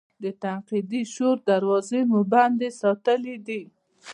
د تنقیدي شعور دراوزې مو بندې ساتلي دي.